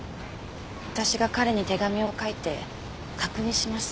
私が彼に手紙を書いて確認します。